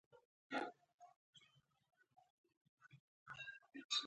ننني سوداګر او وکیلان د پخوانیو جادوګرو غوندې دي.